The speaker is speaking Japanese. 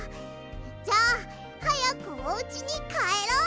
じゃあはやくおうちにかえろう！